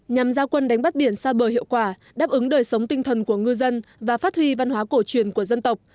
nhằm giao quân đánh bắt biển xa bờ hiệu quả đáp ứng đời sống tinh thần của ngư dân và phát huy văn hóa cổ truyền của dân tộc